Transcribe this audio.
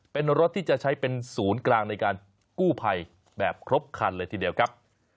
เป็นรถที่จะใช้เป็นศูนย์กลางในการกู้ภัยแบบครบคันเลยทีเดียวครับ